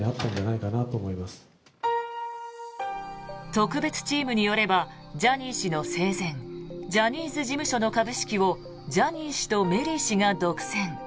特別チームによればジャニー氏の生前ジャニーズ事務所の株式をジャニー氏とメリー氏が独占。